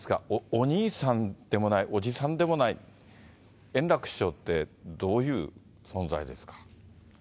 お兄さんでもない、おじさんでもない、円楽師匠ってどういう存在ですか。